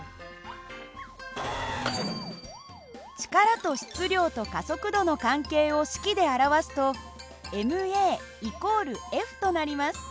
力と質量と加速度の関係を式で表すとｍａ＝Ｆとなります。